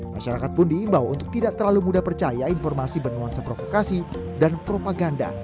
masyarakat pun diimbau untuk tidak terlalu mudah percaya informasi bernuansa provokasi dan propaganda